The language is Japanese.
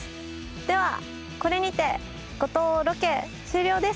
ではこれにて五島ロケ終了です。